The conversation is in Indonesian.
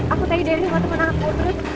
aku tadi dari rumah temen aku terus